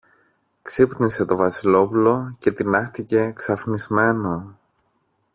Ξύπνησε το Βασιλόπουλο και τινάχτηκε ξαφνισμένο.